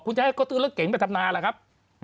คุณจะให้เขาซื้อรถเก๋งไปทำนาล่ะครับ